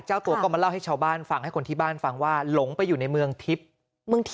เจ้าตัวก็มาเล่าให้ชาวบ้านฟังให้คนที่บ้านฟังว่าหลงไปอยู่ในเมืองทิพย์